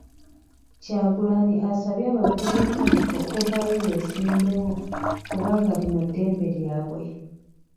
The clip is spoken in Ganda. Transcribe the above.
Kyagulanyi asabye abavubuka okuvaayo beesimbewo kubanga lino ddembe lyabwe.